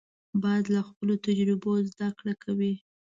باز له خپلو تجربو زده کړه کوي